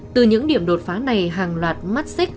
từ những điểm đột phá này hàng loạt mắt xích